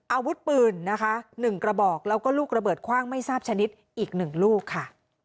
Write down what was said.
อาวุธปืนนะคะ๑กระบอกแล้วก็ลูกระเบิดคว่างไม่ทราบชนิดอีก๑ลูกค่ะ